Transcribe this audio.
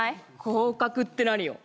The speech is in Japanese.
降格って何よ